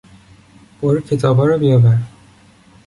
برو کتابها رابیاور!